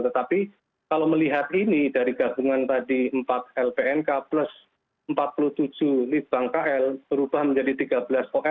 tetapi kalau melihat ini dari gabungan tadi empat lpnk plus empat puluh tujuh lift bank kl berubah menjadi tiga belas poin